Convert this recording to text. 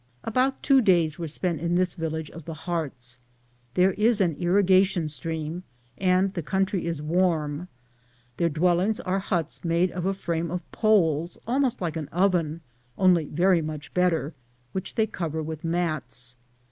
About two days were spent in this village of the Hearts. There ie an irrigation stream, and the country is warm. Their dwellings are hats made of a frame of poles, almost like an oven, only very much better, which. they cover with mats.